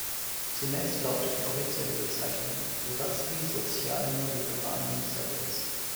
Zunächst lautete die offizielle Bezeichnung "Hrvatski socijalno-liberalni savez".